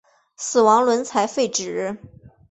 死亡轮才废止。